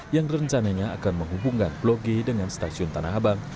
yang rencananya akan menghubungkan blok g dengan stasiun tanah abang